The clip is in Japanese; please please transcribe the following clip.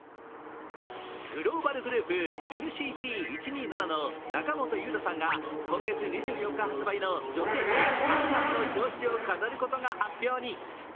グローバルグループ・ＮＣＴ１２７の中本悠太さんが今月２４日発売の女性誌「ａｎａｎ」の表紙を飾ることが発表に。